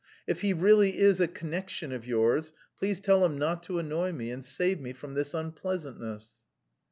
If he really is a connection of yours, please tell him not to annoy me, and save me from this unpleasantness."